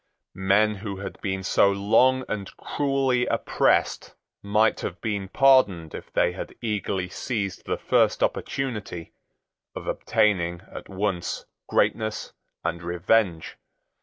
Men who had been so long and cruelly oppressed might have been pardoned if they had eagerly seized the first opportunity of obtaining at once greatness and revenge.